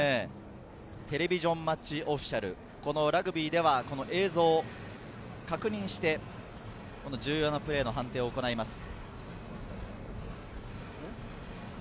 テレビジョン・マッチ・オフィシャル、ラグビーでは映像を確認して、重要なプレーの判定を行います。